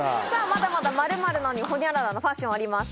まだまだ「○○なのに××」のファッションあります。